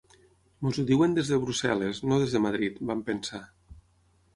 “Ens ho diuen des de Brussel·les, no des de Madrid”, van pensar.